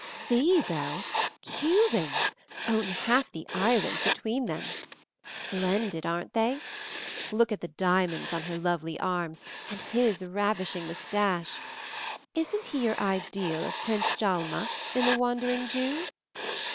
"See, Belle! Cubans; own half the island between them. Splendid, aren't they? Look at the diamonds on her lovely arms, and his ravishing moustache. Isn't he your ideal of Prince Djalma, in The Wandering Jew?"